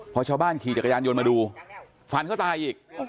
พอชาวบ้านขี่จักรยานยนต์มาดูฟันเขาตายอีก